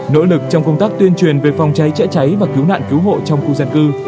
nỗ lực trong công tác tuyên truyền về phòng cháy chữa cháy và cứu nạn cứu hộ trong khu dân cư